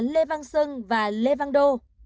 lê văn sơn và lê văn đô